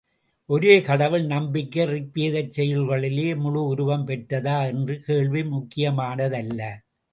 ஒரே கடவுள் நம்பிக்கை ரிக்வேதச் செய்யுள்களிலேயே முழு உருவம் பெற்றதா என்ற கேள்வி முக்கியமானதல்ல.